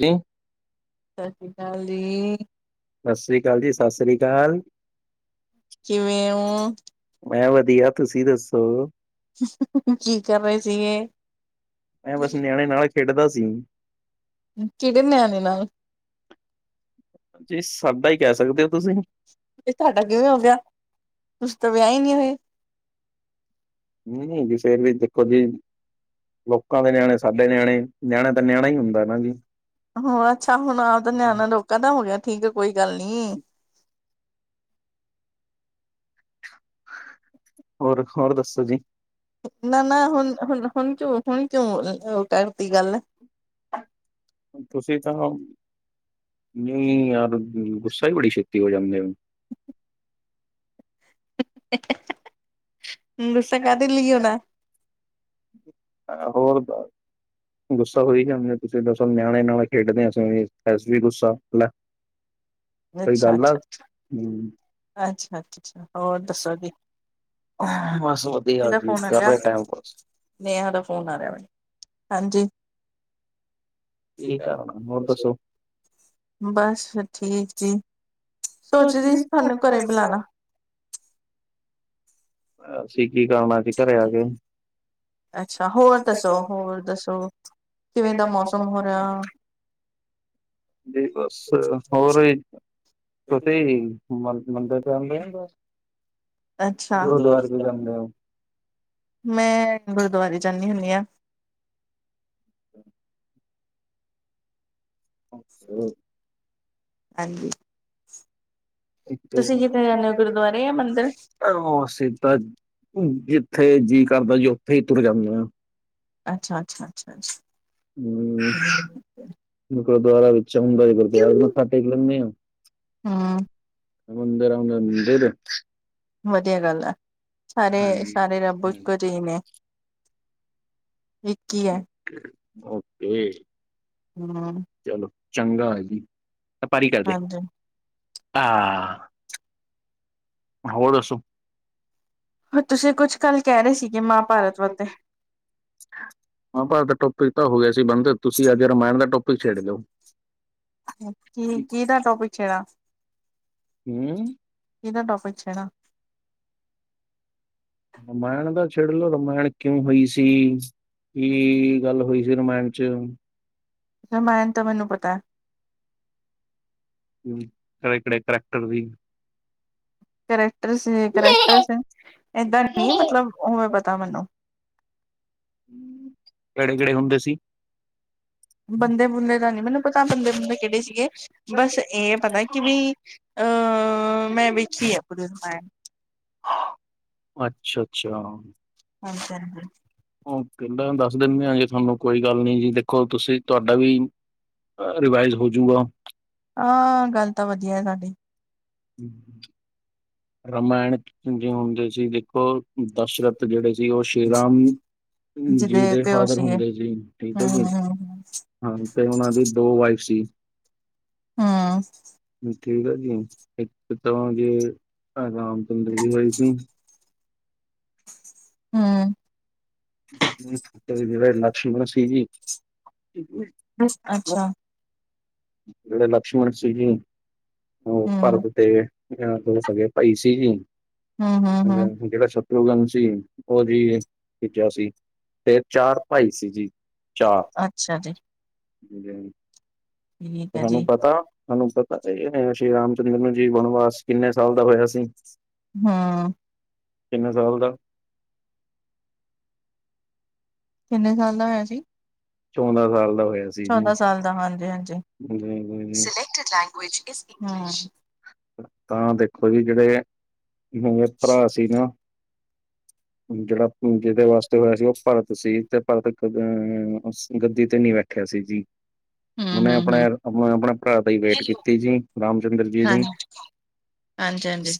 ਨਈਂ। ਸਤਿ ਸ਼੍ਰੀ ਅਕਾਲ ਜੀ। ਸਤਿ ਸ਼੍ਰੀ ਅਕਾਲ ਜੀ, ਸਤਿ ਸ਼੍ਰੀ ਅਕਾਲ। ਕਿਵੇਂ ਓ? ਮੈਂ ਵਧੀਆ, ਤੁਸੀ ਦੱਸੋ? ਕੀ ਕਰ ਰਹੇ ਸੀਗੇ? ਮੈਂ ਬਸ ਨਿਆਣੇ ਨਾਲ ਖੇਡਦਾ ਸੀ। ਕਿਹਦੇ ਨਿਆਣੇ ਨਾਲ? ਜੀ ਸਾਡਾ ਈ, ਕਹਿ ਸਕਦੇ ਓ ਤੁਸੀਂ। ਤੁਹਾਡਾ ਕਿਵੇਂ ਹੋਗਿਆ? ਤੁਸੀਂ ਤਾਂ ਵਿਆਹ ਏ ਨਹੀਂ ਹੋਏ। ਨਹੀਂ-ਨਹੀਂ, ਵੀ ਫੇਰ ਵੀ ਦੇਖੋ ਜੀ। ਲੋਕਾਂ ਦੇ ਨਿਆਣੇ ਸਾਡੇ ਨਿਆਣੇ, ਨਿਆਣਾ ਤਾਂ ਨਿਆਣਾ ਈ ਹੁੰਦਾ ਹੇ ਨਾ ਜੀ। ਹੁਣ ਅੱਛਾ, ਹੁਣ ਆਪ ਦਾ ਨਿਆਣਾ ਲੋਕਾਂ ਦਾ ਹੋ ਗਿਆ, ਠੀਕ ਹੈ, ਕੋਈ ਗੱਲ ਨੀ। ਹੋਰ, ਹੋਰ ਦੱਸੋ ਜੀ? ਨਾ, ਨਾ ਹੁਣ-ਹੁਣ, ਹੁਣ ਕਿਂਉ, ਹੁਣ ਕਿਉਂ ਕਾਟ ਤੀ ਗੱਲ ਤੁਸੀਂ ਤਾਂ ਨ ਯਾਰ, ਗੁੱਸਾ ਹੀ ਬੜੀ ਛੇਤੀ ਹੋ ਜਾਂਦੇ ਹੋ। ਗੁਸਾ ਕਾਦੇ ਲਈ ਹੋਨਾ? ਹੋਰ ਦਸ। ਗੁੱਸ ਹੋਈ ਜਾਂਵੇ, ਤੁਸੀਂ ਦਸੋ, ਨਿਆਣੇ ਨਾਲ ਖੇਡਦੇ ਹ, ਅਸੀਂ ਵੀ ਵੀ ਗੁੱਸਾ ਲੇ। ਸਹੀ ਅੱਛਾ ਗੱਲ ਹੈ। ਅੱਛਾ ਅੱਛਾ ਅੱਛਾ, ਅੱਛਾ, ਅੱਛਾ ਹੋਰ ਦੱਸੋ ਜੀ? ਬਸ, ਵਧੀਆ ਕਿਹਦਾ ਜੀ, ਫੋਨ ਗਿਆ ਕਾਰੇ ਆ ਟਾਈਮ ਪਾਸ। ਨੇਹਾ ਦਾ ਫੋਨ ਆ ਰਿਹਾ ਵੇ, ਹਾਂਜੀ। ਕੀ ਕਾਰਣਾ ਹੋਰ, ਦੱਸੋ? ਬਸ ਠੀਕ ਜੀ, ਸੋਚੀ ਸੋਚਦੀ ਸੀ ਤੁਹਾਨੂੰ ਤੁਹਾਡੇ ਘਰੇ ਬੁਲਾਲਾ ਬੁਲਾਣਾ। ਅਸੀਂ ਕੀ ਕਰਨਾ ਜੀ, ਘਰੇ ਆ ਕੇ ਅੱਛਾ, ਹੋਰ ਦੱਸੋ, ਹੋਰ ਦੱਸੋ, ਕਿਵੇਂ ਦਾ ਮੌਸਮ ਹੋ ਰਿਹਾ? ਜੀ, ਬਸ, ਹੋਰ ਤੁਸੀਂ ਵੀ ਮੰਦਿਰ ਚ ਜਾਂਦੇ ਹੋ, ਬਸ ਅੱਛਾ ਗੁਰਦੁਆਰੇ ਚ ਜਾਂਦੇ ਹੋ? ਮੈਂ ਗੁਰਦੁਆਰੇ ਜਾਣੀ ਹੁੰਦੀ ਹਾਂ। [inaudible] ਤੁਸੀਂ ਹਾਂਜੀ। ਤੁਸੀਂ ਕਿੱਥੇ ਜਾਂਦੇ ਹੋ, ਗੁਰਦੁਆਰੇ ਜਾਂ ਮੰਦਿਰ? ਅਸੀਂ ਤਾਂ ਜਿੱਥੇ ਜੀਅ ਕਰਦਾ ਜੀ, ਉੱਥੇ ਹੀ ਤੁਰ ਜਾਂਦੇ ਹਾਂ। ਅੱਛਾ-ਅੱਛਾ। ਅੱਛਾ-ਅੱਛਾ। ਹਮ, ਮ ਗੁਰਦੁਆਰਾ ਵਿੱਚ ਹੁੰਦਾ ਜ ਥੱ ਟੇ ਲੈਂਦੇ ਆ। ਹਾਂ। ਸਮਦਿਰ ਆਉਂਦਰ ਮੰਦਿਰ। ਵਧੀਆ ਗੱਲ ਆ, ਹਾਂਜੀ ਸਾਰੇ-ਸਾਰੇ ਰੱਬ ਇੱਕੋ ਹਾਂਜੀ। ਜਿਹੀ ਨੇ। ਇੱਕ ਹੀ ਹੈ। Okay okay. ਹਮ। ਚਲੋ ਚੰਗਾ ਹੈ। ਜੀ ਪਾਰੀ ਕਰਦੇ। ਹਾਂਜੀ ਹਾਂ, ਹੋਰ ਦਸੋ। ਤੁਸੀਂ ਕੁਛ ਕਲ ਕਹਿ ਰਹੇ ਸੀਗੇ ਮਹਾਭਾਰਤ ਵਤੇ। ਮਾਂਭਾਰਤ ਦਾ ਟੋਪਿਕ ਤਾਂ ਹੋ ਗਿਆ ਸੀ ਬੰਦ, ਤੁਸੀਂ ਅੱਜ ਰਾਮਾਇਣ ਦਾ ਟੋਪਿਕ ਛੇਡ ਲਓ। ਕੀ ਕਿਦਾ ਟੋਪਿਕ ਛੇੜਾ, ਹੂੰ ਕਿਦਾ ਟੋਪਿਕ ਛੇੜਾ। ਰਮਾਇਣ ਦਾ ਛੇਡਲਓ ਰਮਾਇਣ ਕਿਉਂ, ਹੋਈ ਸੀ? ਕੀ ਗੱਲ ਹੋਈ ਸੀ ਰਮਾਇਣ ਚ। ਰਾਮਾਇਣ ਤਾਂ ਮੈਨੂੰ ਪਤਾ ਹ। ਹ, ਕੇਦੇ ਕਿਦੇ ਕਰੈਕਟਰ ਸੀ। ਕਰੈਕਟਰਸ-ਕਰੈਕਟਰਸ-ਏਦਾਂ ਨਹੀਂ, ਮਤਲਬ ਉਹਵੇ ਬਤਾ ਮੈਨੂੰ। ਕਿਹੜੇ-ਕਿਹੜੇ ਹੁੰਦੇ ਸੀ? ਬੰਦੇ-ਬੰਦੇ ਦਾ ਨੀ ਮੈਨੂੰ ਪਤਾ, ਬੰਦੇ-ਬੰਦੇ ਕਿਹੜੇ ਸੀਗੇ ਬਸ ਇਹ ਪਤਾ ਕਿ ਵੀ ਅਹ, ਮੈਂ ਵੇਖੀ ਆ ਰਾਮਾਇਣ। ਅੱਛਾ-ਅੱਛਾ। ਹਮ-ਹਮ, ਹਮ। ਓ ਕਹਿੰਦਾ ਦੱਸ ਦਿੰਦੇ ਆਾਂ ਜੀ ਤੁਹਾਨੂੰ, ਕੋਈ ਗੱਲ ਨੀ ਜੀ ਦੇਖੋ ਤੁਸੀਂ ਤੁਹਾਡਾ ਵੀ ਰਿਵਾਈਜ਼ ਹੋਜੂਗਾ। ਹਾਂ, ਗੱਲ ਤਾਂ ਵਧੀਆ ਹ ਤੁਹਾਡੀ। ਰਮਾਇਣ 'ਜ ਹੁੰਦੇ ਸੀ। ਦੇਖੋ ਦਸ਼ਰਥ ਜਿਹੜੇ ਸੀ ਉਹ ਸ਼੍ਰੀ ਰਾਮ ਜਿਹਦੇ ਜੀ ਦੇ ਪਿਓ ਫਾਦਰ ਸੀਗੇ ਹੁੰਦੇ ਸੀ, ਠੀਕ ਹੈ ਜੀ। ਹਮ ਹਾਂ, ਤੇ ਉਹਨਾਂ ਦੀ ਦੋ ਵਾਈਫ ਸੀ। ਹਾਂ। ਠੀਕ ਆ ਜੀ, ਇੱਕ ਤਾ ਜੇ ਰਾਮ ਚੰਦਰ ਜ ਹੈਈ ਸੀ। ਹਮ। ਜੇੜ੍ਹੇ ਲਕਸ਼ਮਣ ਸੀ ਜੀ। ਅੱਛਾ। ਜਿਹੜੇ ਲਕਸ਼ਮਣ ਸੀ ਜੀ, ਉਹ ਹਮ ਭਰਤ ਦੇ ਜਾਂ ਦ ਸਕੇ ਪਾਈ ਸੀ ਹੀ ਜੀ। ਹਮ, ਹਮ, ਹਮ। ਜਿਹੜਾ ਸ਼ਤਰੁਘਨ ਸੀ, ਉਹ ਜੀ ਖਿੱਚਿਆ ਸੀ। ਤੇ ਚਾਰ ਭਾਈ ਸੀ ਜੀ, ਚਾਰ। ਅੱਛਾ ਜੀ ਠੀਕ ਹੈ ਜੀ ਤੁਾਨੂੰ ਪਤਾ, ਤੁਹਾਨੂੰ ਪਤਾ ਇਹ ਸ਼੍ਰੀ ਰਾਮ ਚੰਦਰ ਨੂੰ ਜੀ ਵਨਵਾਸ, ਕਿੰਨੇ ਸਾਲ ਦਾ ਹੋਇਆ ਸੀ? ਹਮ ਕਿੰਨੇ ਸਾਲ ਦਾ? ਕਿੰਨੇ ਸਾਲ ਦਾ ਹੋਇਆ ਸੀ? ਚੌਦਾਂ ਸਾਲ ਦਾ ਹੋਇਆ ਸੀ। ਜੀ ਚੋਦਾ ਸਾਲ ਦਾ ਹੋਇਆ ਸੀ, ਹਾਂਜੀ- ਜੀ ਜੀ ਜੀ ਹਾਂਜੀ। ਤਾਂ ਦੇਖੋ ਜੀ, ਜਿਹੜੇ ਦੋਵੇਂ ਭਰਾ ਸੀ ਨਾ ਜਿਹੜਾ ਜਿਹਦੇ ਵਾਸਤੇ ਹੋਇਆ ਸੀ, ਉਹ ਭਰਤ ਸੀ, ਤੇ ਭਰਤ ਕ ਗੱਦੀ 'ਤੇ ਨ ਬੈਠਿਆ ਸੀ ਜੀ। ਹ। ਉਹਨੇ ਆਪਣੇ ਆਪ ਆਪਣੇ ਭਰਾ ਦਾ ਵੇਟ ਕੀਤੀ ਜੀ, ਰਾਮ ਚੰਦਰ ਜੀ ਦੀ। ਹਾਂਜੀ ਹਾਂਜੀ, ਹਾਂਜੀ।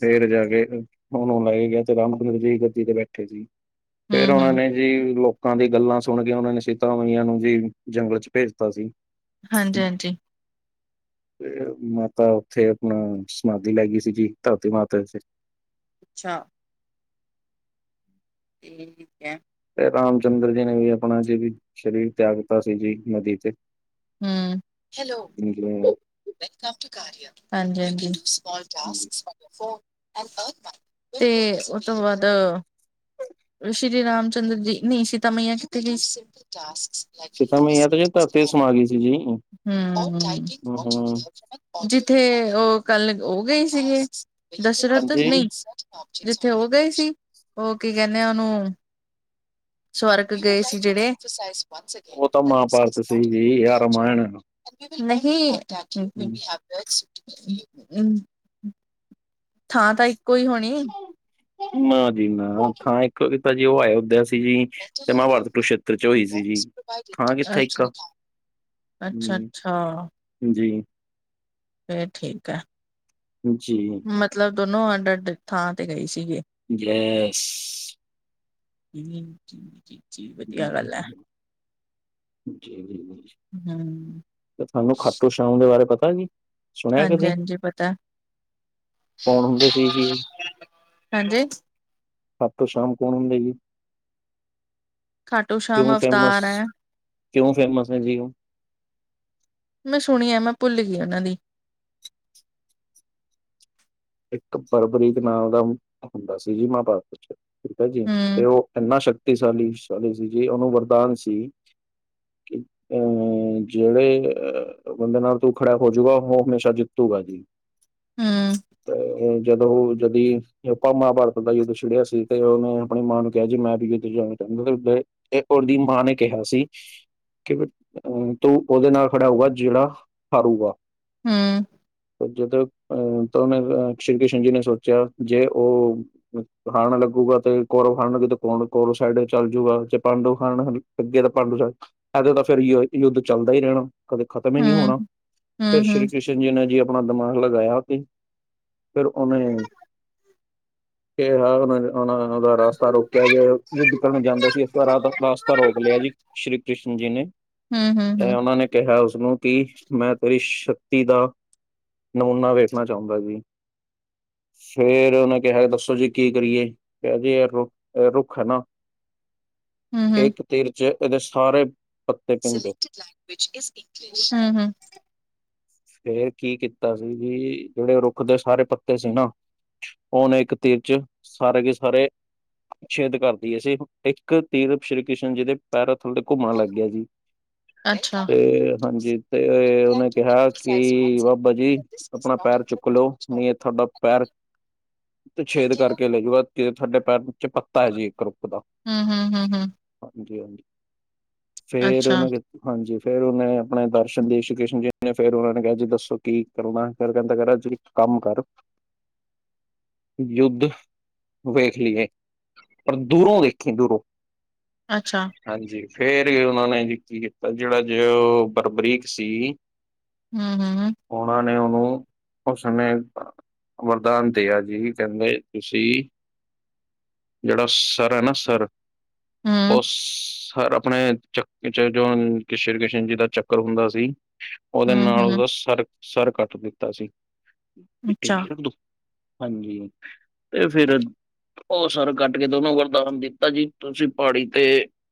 ਫਰ ਜਾ ਕੇ, ਹੁਣੂੰ ਲਾਏ ਗਿਆ ਤੇ ਰਾਮ ਚੰਦਰ ਜੀ ਗੱਦੀ ਤੇ ਬੈਠੇ ਸੀ। ਫੇਰ ਹਮ ਉਹਨਾਂ ਹਮ ਨੇ ਜੀ ਲੋਕਾਂ ਦੀ ਗੱਲਾਂ ਸੁਣ ਕੇ, ਉਹਨਾਂ ਨੇ ਸੀਤਾਮਈਆਂ ਨੂੰ ਜੀ ਜੰਗਲ 'ਚ ਭੇਜਤਾ ਸੀ। ਹ। ਹਾਂਜੀ ਹਾਂਜੀ ਤੇ ਮਾਤਾ ਉੱਥੇ ਆਪਣਾ, ਸਮਾਧੀ ਲੈ ਗਈ ਸੀ ਜੀ ਧਰਤੀ ਮਾਤਾੇ ਅੱਛਾ। ਠੀਕ ਹੈ। ਤੇ ਰਾਮ ਚੰਦਰ ਜੀ ਨੇ ਵੀ ਆਪਣਾ ਜਿ ਵੀ, ਸਰੀਰ ਤਿਆਗ ਕੀਤਾ ਸੀ ਜੀ ਨਦੀ ਤੇ। ਹਮ, ਹਾਂਜੀ ਹਾਂਜੀ। ਤੇ, ਉਸ ਤੋਂ ਬਾਅਦ ਸ਼੍ਰੀ ਰਾਮ ਚੰਦਰ ਜੀ, ਨਹੀਂ ਸੀਤਾ ਮਈਆ ਕਿਤੇ ਵੀ ਸੀਤਾ ਮਈਆਂ ਤੇ, ਧਰਤੀ 'ਚ ਸਮਾ ਗਈ ਸੀ ਜੀ। ਹਮ, ਹੂੰ, ਜਿਥੇ ਉਹ ਕੱਲ ਉਹ ਗਏ ਸੀਗੇ, ਦਸ਼ਰਥ ਹਾਂਜੀ ਨਹੀਂ ਜਿੱਥੇ ਉਹ ਗਏ ਸੀ, ਉਹ ਕੀ ਕਹਿੰਦੇ ਆ ਉਹਨੂੰ ਸਵਰਗ ਗਏ ਸੀ ਜਿਹੜੇ ਉਹ ਤਾਂ ਮਹਾਭਾਰਤ ਸੀ ਜੀ ਯਾ ਰਾਮਾਇਣ ਨਹੀਂ ਥਾਂ ਤਾਂ, ਇੱਕੋ ਹੀ ਹੋਣੀ। ਨਾ ਜੀ ਨਾ ਥਾਂ ਇੱਕ ਤਾਂ ਜੀ ਉਹ ਆਇਆ ਹੁੰਦੇ ਅਸੀ ਜੀ। ਤੇ ਮਹਾਭਾਰਤ ਕੁਰਸ਼ੇਤਰ ਚ ਹੋਈ ਸੀ ਜੀ। ਥਾਂ ਅੱਛਾ। ਕਿੱਥੇ ਇੱਕ ਅੱਛਾ, ਹੂੰ ਅੱਛਾ। ਜੀ। ਫਿਰ ਠੀਕ ਆ। ਜੀ। ਮਤਲਬ ਦੋਨੋ ਅੱਡ, ਅੱਡ ਥਾਂ ਤੇ ਗਏ ਸੀਗੇ। ਗੈਸ ਚੀ ਵਧੀਆ ਗੱਲ ਏ। ਜੀ ਤੁਹਾਨੂੰ ਖਾਟੋ ਛਾਮ ਦੇ ਬਾਰੇ ਪਤਾ ਨੀ। ਸੁਣਿਆ ਹਾਂਜੀ ਕਦੀ ਹਾਂਜੀ ਪਤਾ ਕੌਣ ਹੁੰਦੇ ਸੀ ਸੀ। ਹਾਂਜੀ। ਖਾਟੂ ਸ਼ਾਮ ਕੌਣ ਹੁੰਦੇ ਜੀ। ਖਾਟੂ ਸ਼ਾਮ ਕਿਉਂ ਫੇਮਸ ਅਵਤਾਰ ਹੈ ਕਿਉਂ ਫੇਮਸ ਹੈ ਜੀ। ਮੈਂ ਸੁਣਿਆ ਮੈਂ ਭੁੱਲ ਗਈ ਉਹਨਾਂ ਦੀ। ਇੱਕ ਫਰਵਰੀ ਦੇ ਨਾਲ ਦਾ ਹੁੰਦਾ ਸੀ ਜੀ ਮਹਾਭਾਰਤ ਚ ਠੀਕ ਹੈ ਜੀ ਤੇ ਹਮ ਉਹ ਇੰਨਾ ਸ਼ਕਤੀ ਸਾਲੀ ਚਾਲੀ ਸੀ ਜੇ ਉਹਨੂੰ ਵਰਦਾਨ ਸੀ। ਅ ਜਿਹੜੇ ਅਹ ਬੰਦੇ ਨਾਲ ਤੂੰ ਖੜਾ ਹੋਜੂਗਾ ਉਹ ਹਮੇਸ਼ਾ ਜਿੱਤੂਗਾ ਜੀ। ਹੂ। ਤੇ ਜਦੋਂ ਜਦੀ ਆਪਾਂ ਮਹਾਭਾਰਤ ਦਾ ਯੁੱਧ ਛੜਿਆ ਸੀ ਤੇ ਉਹਨੇ ਆਪਣੀ ਮਾਂ ਨੂੰ ਕਿਹਾ ਜੀ ਮੈਂ ਵੀ ਯੁੱਧ ਜਾਣਾ ਚਾਹੁੰਦਾ ਉ ਤੇ ਉਹ ਦੀ ਮਾਂ ਨੇ ਕਿਹਾ ਸੀ ਕਿ ਅ ਤੂੰ ਉਹਦੇ ਨਾਲ ਖੜਾ ਹੋਊਗਾ ਜਿਹੜਾ ਹਾਰੂਗਾ। ਹੂ। ਜਦੋਂ ਅਹ ਸ਼੍ਰੀ ਕ੍ਰਿਸ਼ਨ ਜੀ ਨੇ ਸੋਚਿਆ ਜੇ ਉਹ ਖਾਣ ਲੱਗੂਗਾ ਤੇ ਕੋਰਵ ਖਾਣ ਲੱਗੇ ਤੇ ਕੋਰਵ ਕੋਲੋ ਸਾਈਡ ਚੱਲ ਜੂਗਾ ਜੇ ਪਾਂਡਵ ਖਾਣ ਅੱਗੇ ਤਾਂ ਪਾਂਡੂ ਸਨ ਇਹਦੇ ਤਾਂ ਫਿਰ ਯੁੱਧ ਚੱਲਦਾ ਹੀ ਰਹਿਣਾ। ਕਦੇ ਖ਼ਤਮ ਹੀ ਨਹੀਂ ਹੋਣਾ, ਫਿਰ ਹਮ ਹਮ ਸ੍ਰੀ ਕ੍ਰਿਸ਼ਨ ਜੀ ਨੇ ਜੀ ਆਪਣਾ ਦਿਮਾਗ ਲਗਾਇਆ ਤੇ ਫਿਰ ਉਹਨੇ ਕਿਹਾ ਉਹਨੇ ਉਹ ਦਾ ਰਸਤਾ ਰੋਕਿਆ ਗਿਆ ਨਿਕਲਣ ਜਾਂਦਾ ਸੀ ਇਸ ਰਸਤਾ ਰੋਕ ਲਿਆ ਜੀ। ਸ਼੍ਰੀ ਕ੍ਰਿਸ਼ਨ ਜੀ ਨੇ ਹਾ, ਹਾ, ਹਾ। ਤੇ ਉਹਨਾਂ ਨੇ ਕਿਹਾ ਉਸਨੂੰ ਕਿ ਮੈਂ ਤੇਰੀ ਸ਼ਕਤੀ ਦਾ ਨਮੂਨਾ ਵੇਖਣਾ ਚੰਗਾ ਜੀ। ਫੇਰ ਉਹਨੇ ਕਿਹਾ ਦੱਸੋ ਜੀ ਕੀ ਕਰੀਏ ਜੀ ਇਹ ਰੁੱਖ ਹੈ ਨਾ [unintelligible] ਇੱਕ ਤੀਰ ਚ ਇਹਦੇ ਸਾਰੇ ਪੱਤੇ ਭਿੰਨ ਦੋ [inaudible] ਫੇਰ ਕੀ ਕੀਤਾ ਸੀ ਵੀ ਜਿਹੜੇ ਰੁੱਖ ਦੇ ਸਾਰੇ ਪੱਤੇ ਸੀ ਨਾ ਉਹਨੇ ਇੱਕ ਤੀਰ ਚ ਸਾਰੇ ਕੇ ਸਾਰੇ ਛੇਦ ਕਰਦੀ ਹੈ ਸੀ ਇੱਕ ਤੀਰ ਸ਼੍ਰੀ ਕ੍ਰਿਸ਼ਨ ਜੀ ਦੇ ਪੈਰਾ ਥਲੇ ਘੁੰਮਣ ਲੱਗ ਗਿਆ ਜੀ ਅੱਛਾ ਤੇ ਹਾਂਜੀ ਤੇ ਉਹਨੇ ਕਿਹਾ ਕਿ ਬਾਬਾ ਜੀ ਆਪਣਾ ਪੈਰ ਚੁੱਕ ਲਓ ਨਹੀਂ ਤੁਹਾਡਾ ਪੈਰ ਛੇਦ ਕਰਕੇ ਲੈਜੂਗਾ ਤੁਹਾਡੇ ਪੈਰ ਥਲੇ ਪੱਤਾ ਹੈ ਜੀ ਇੱਕ ਰੁੱਖ ਦਾ। ਹੂ, ਹੂ, ਹੂ, ਹੂ। ਹਾਂਜੀ ਹਾਂਜੀ। ਫੇਰ ਅੱਛਾ ਓਨਾ ਹਾਂਜੀ, ਫ਼ੇਰ ਓਨੇ ਅਪਣੇ ਦਰਸ਼ਨ ਦੇ ਸ਼ਿਕਿਸ਼ਨ ਜੀ ਨੇ ਫੇਰ ਓਨਾਂ ਕੇਆ ਜੀ ਦੱਸੋ ਕੀ ਕਰਨਾ? ਫੇਰ ਕੈਂਦਾ ਕੈਰਾ ਜੀ ਇੱਕ ਕੰਮ ਕਰ। ਯੁੱਧ ਵੇਖ ਲਈਏ ਪਰ ਦੂਰੋਂ ਵੇਖੀਂ ਦੂਰੋਂ। ਅੱਛਾ। ਹਾਂਜੀ। ਫੇਰ ਓਨਾਂ ਨੇ ਜੀ ਕੀ ਕੀਤਾ ਜੇੜਾ ਜੇਓ ਬਰਬਰੀਕ ਸੀ। ਹੂੰ। ਹੂੰ। ਓਨਾਂ ਨੇ ਓਨੂੰ ਉਸ ਸਮੇ ਵਰਦਾਨ ਦੀਆ ਜੀ ਕੇਂਦੇ ਤੁਸੀ ਜੇੜਾ ਸਰ ਐਨਾ ਸਰ ਹਮ ਓ ਸਰ ਅਪ ਅਪਣੇ ਚੱਕ ਜੋ ਸ਼੍ਰੀ ਕ੍ਰਿਸ਼ਨ ਜੀ ਦਾ ਚੱਕਰ ਹੁੰਦਾ ਸੀ। ਓਦੇ ਹਮ ਨਾਲ ਓਦਾ ਹਮ ਸਰ ਸਰ ਕੱਟ ਦਿੱਤਾ ਸੀ। ਅੱਛਾ ਹਾਂਜੀ। ਤੇ ਫੇਰ ਓ ਸਰ ਕੱਟ ਕੇ ਦੋਨੋ ਵਰਦਾਨ ਦਿੱਤਾ ਜੀ ਤੁਸੀ ਪਾੜੀ ਤੇ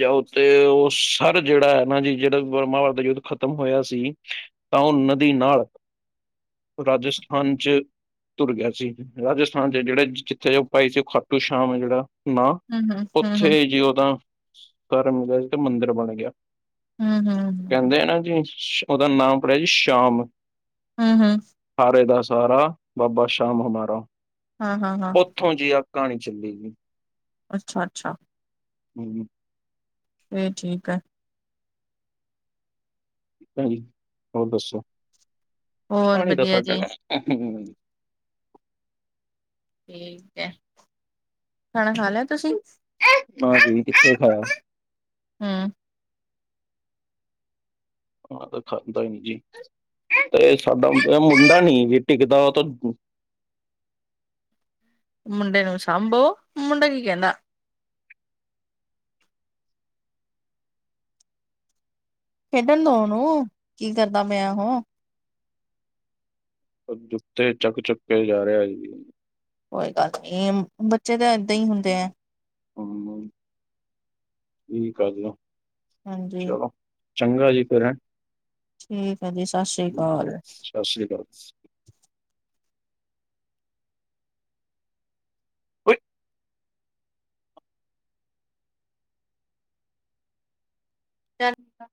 ਜਾਂ ਉ ਤੇ ਓ ਸਰ ਜੇੜਾ ਐ ਨਾ ਜੀ ਜੇੜਾ ਮਹਾਭਾਰਤ ਦਾ ਯੁੱਧ ਖਤਮ ਹੋਏਆ ਸੀ ਤਾਂਓ ਨਦੀ ਨਾਲ ਰਾਜਸਥਾਨ ਚ ਤੁਰ ਗਆ ਸੀ। ਰਾਜਸਥਾਨ ਚ ਜੇੜੇ ਜਿੱਥੇ ਓ ਪਾਈ ਸੀ ਖਾਟੂ ਸ਼ਾਮ ਐ ਜੇੜਾ ਨਾ, ਹਮ ਹਮ ਹਮ ਓਥੇ ਜੀ ਓਦਾ ਘਰ ਮਿਲਿਆ ਸੀ ਤੇ ਮੰਦਰ ਬਣ ਗਆ। ਹਮ ਹਮ ਹਮ ਕੈਂਦੇ ਐ ਨਾ ਜੀ ਓਦਾ ਨਾਮ ਪੜੇਆ ਜੀ ਸ਼ਾਮ। ਹੂੰ ਹੂੰ। ਹਾਰੇ ਦਾ ਸਹਾਰਾ ਬਾਬਾ ਸ਼ਾਮ ਹਮਾਰਾ। ਹਾਂ ਹਾਂ ਹਾਂ ਓਥੋਂ ਜਿ ਆ ਕਾਣੀ ਚੱਲੀ ਗੀ। ਅੱਛਾ ਅੱਛਾ। ਹੂੰ। ਏ ਠੀਕ ਐ। ਜੀ ਹੋਰ ਦੱਸੋ? ਹੋਰ ਆਣੀ ਤਾਂ ਵਧੀਆ ਸਾਡਾ ਜੀ ਠੀਕ ਐ। ਖਾਣਾ ਖਾ ਲੇਆ ਤੁਸੀ? ਨਾ ਜੀ ਕਿੱਥੇ ਖਾਇਆ ਹੂਂ। ਆਂ ਖਾਂਦਾ ਨੀ ਜੀ। ਤੇ ਸਾਡਾ ਤੇ ਮੁੰਡਾ ਨੀ ਜੀ ਟਿਕਦਾ ਓਤਾਂ ਮੁੰਡੇ ਨੂੰ ਸਾਂਭੋ। ਮੁੰਡਾ ਕੀ ਕੈਂਦਾ? ਖੇਡਨ ਦੋ ਓਨੂੰ। ਕੀ ਕਰਦਾ ਪੇਆ ਓਹ? ਜੁੱਤੇੇ ਚਕ ਚਕ ਕੇ ਜਾ ਰੇਆ ਜੀ। ਕੋਈ ਗੱਲ ਨੀ। ਬੱਚੇ ਤਾਂ ਏਦਾਂ ਹੀ ਹੁੰਦੇ ਐ। ਹੰ, ਠੀਕ ਆ ਹਾਂਜੀ ਚਲੋ। ਚੰਗਾ ਜੀ ਫੇਰ ਹੈਂ। ਠੀਕ ਐ ਜੀ। ਸਤਿ ਸ੍ਰੀ ਅਕਾਲ। ਸਤਿ ਸ਼੍ਰੀ ਅਕਾਲ। [unintelligible]